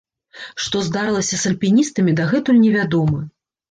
Што здарылася з альпіністамі, дагэтуль невядома.